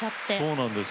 そうなんです。